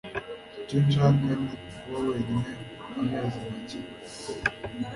Icyo nshaka ni ukuba wenyine amezi make.